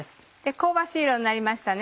香ばしい色になりましたね。